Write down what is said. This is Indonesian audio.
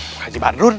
pak haji badrun